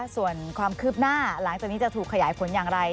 ส่วนความคืบหน้าหลังจากนี้จะถูกขยายผลอย่างไร